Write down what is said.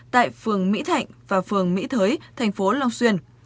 tại phường mỹ thạnh và phường mỹ thới thành phố long xuyên